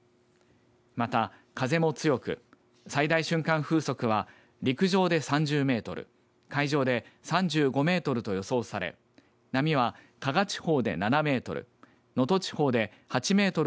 また、風も強く最大瞬間風速は陸上で３０メートル海上で３５メートルと予想され波は加賀地方で７メートル